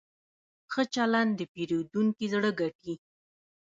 ښه چلند د پیرودونکي زړه ګټي.